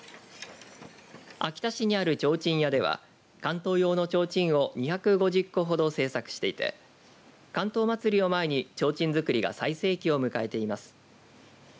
秋田市にある、ちょうちん屋では竿燈用のちょうちんを２５０個ほど製作していて竿燈まつりを前にちょうちん作りが最盛期を迎えています。